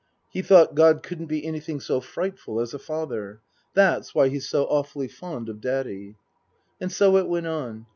He thought God couldn't be anything so frightful as a father. " That's why he's so awfully fond of Daddy." And so it went on.